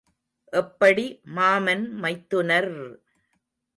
எப்படி மாமன் மைத்துனர்!